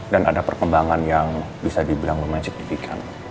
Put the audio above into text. dan ada perkembangan yang bisa dibilang lumensif di vk